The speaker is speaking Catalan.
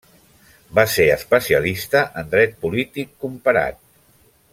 Va ser especialista en dret polític comparat.